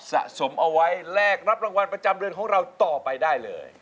สะสมเอาไว้แลกรับรางวัลประจำเดือนของเราต่อไปได้เลย